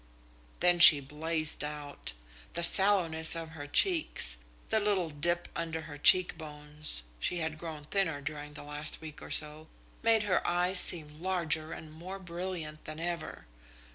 Then she blazed out. The sallowness of her cheeks, the little dip under her cheekbones she had grown thinner during the last week or so made her eyes seem larger and more brilliant than ever.